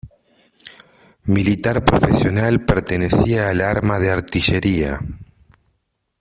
Militar profesional, pertenecía al arma de artillería.